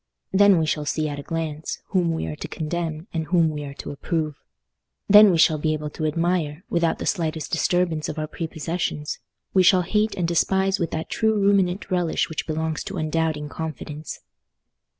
Then we shall see at a glance whom we are to condemn and whom we are to approve. Then we shall be able to admire, without the slightest disturbance of our prepossessions: we shall hate and despise with that true ruminant relish which belongs to undoubting confidence."